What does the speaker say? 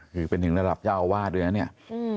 คือเป็นหนึ่งระดับยาววาดด้วยนะเนี่ย